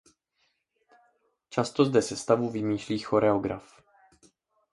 Často zde sestavu vymýšlí choreograf.